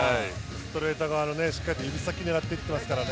ストレート側のしっかり指先を狙っていってますからね。